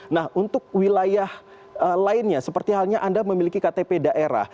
nah untuk wilayah lainnya seperti halnya anda memiliki ktp daerah